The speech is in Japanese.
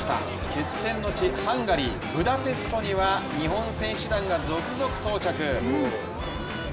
決戦の地ハンガリー・ブダペストには日本選手団が続々到着。